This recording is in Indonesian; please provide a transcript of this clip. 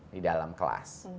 di dalam kelas